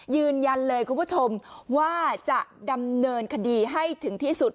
ยืนยันเลยคุณผู้ชมว่าจะดำเนินคดีให้ถึงที่สุด